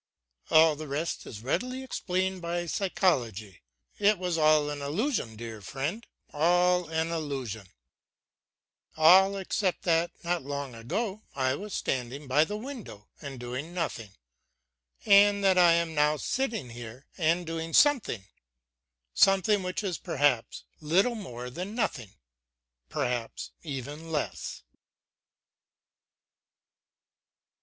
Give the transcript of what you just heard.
All the rest is readily explained by psychology. It was an illusion, dear friend, all an illusion, all except that, not long ago, I was standing, by the window and doing nothing, and that I am now sitting here and doing something something which is perhaps little more than nothing, perhaps even less.